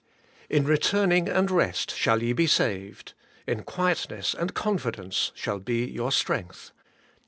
'In returning and rest shall ye be saved; in quietness and confidence shall be your strength.